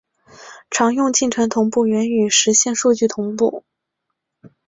常用进程同步原语实现数据同步。